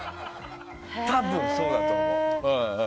多分そうだと思う。